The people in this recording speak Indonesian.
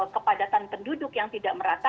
kepadatan penduduk yang tidak merata